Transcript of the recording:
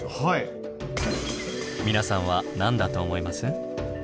皆さんは何だと思います？